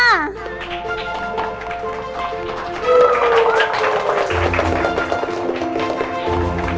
ah cuak anda buka perhatiannya